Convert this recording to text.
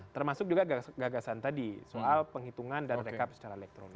termasuk juga gagasan tadi soal penghitungan dan rekap secara elektronik